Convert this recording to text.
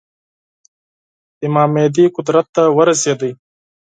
امام مهدي قدرت ته ورسېدی.